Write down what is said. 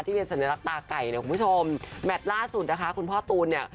เป็นสัญลักษณ์ตาไก่เนี่ยคุณผู้ชมแมทล่าสุดนะคะคุณพ่อตูนเนี่ย